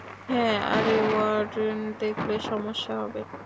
হ্যাঁ আরে, ওয়ার্ডেন দেখলে সমস্যা হবে।